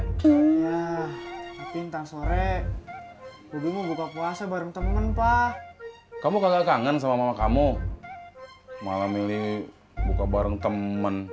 tapi ntar sore buka puasa bareng temen pak kamu kagak kangen sama kamu malam ini buka bareng temen